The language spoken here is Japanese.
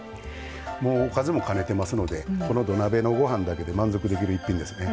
おかずも兼ねてますので土鍋のご飯だけで満足できる一品ですね。